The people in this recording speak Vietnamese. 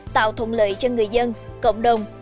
tạo thông lợi cho người dân cộng đồng